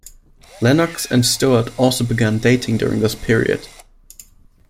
Lennox and Stewart also began dating during this period.